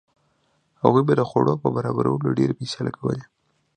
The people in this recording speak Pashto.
هغه به د خوړو په برابرولو ډېرې پیسې لګولې.